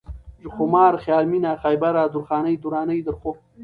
خوماره ، خيال مينه ، خيبره ، درخانۍ ، درانۍ ، درخو